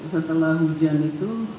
setelah hujan itu